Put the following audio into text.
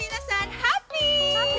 ハッピー！